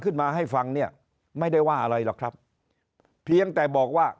ขึ้นมาให้ฟังเนี่ยไม่ได้ว่าอะไรหรอกครับเพียงแต่บอกว่า